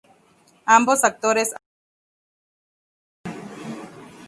Ambos actores aportaban ideas para el guion.